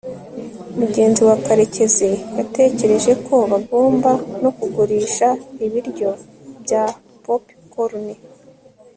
mugenzi wa karekezi yatekereje ko bagomba no kugurisha ibiryo bya popcorn